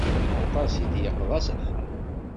Aṭas i d-iqḍa s axxam.